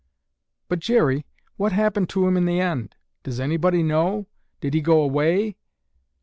"But, Jerry, what happened to him in the end? Does anybody know? Did he go away?"